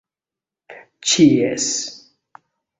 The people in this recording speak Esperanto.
ĉies